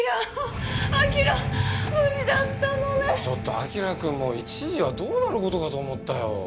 ちょっと輝くんもう一時はどうなる事かと思ったよ。